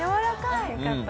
よかった。